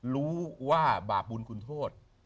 รู้ว่าบาปบุญคุณโทษ